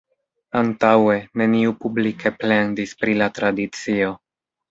Antaŭe, neniu publike plendis pri la tradicio.